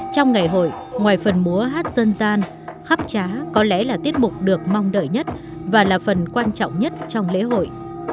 trong ngày hội ngoài phần múa hát dân gian khắp trá có lẽ là tiết mục được mong đợi nhất và là phần quan trọng nhất trong lễ hội